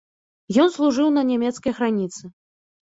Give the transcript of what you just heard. Ён служыў на нямецкай граніцы.